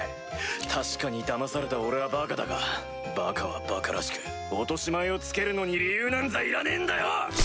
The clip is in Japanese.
確かに騙された俺はバカだがバカはバカらしく落としまえをつけるのに理由なんざいらねえんだよ！